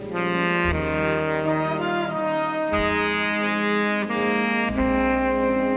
โปรดติดตามต่อไป